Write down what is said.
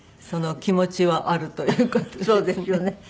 その気持ちはあるという事ですね。